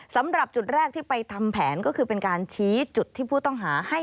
สำหรับจุดแรกที่ไปทำแผนก็คือเป็นการชี้จุดที่ผู้ต้องหาให้